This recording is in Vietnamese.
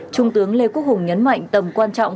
trung tướng lê quốc hùng nhấn mạnh tầm quan trọng